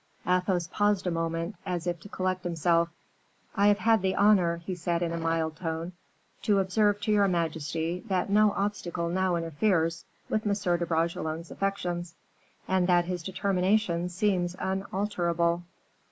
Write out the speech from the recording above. Athos paused a moment, as if to collect himself: "I have had the honor," he said, in a mild tone, "to observe to your majesty that no obstacle now interferes with M. de Bragelonne's affections, and that his determination seems unalterable."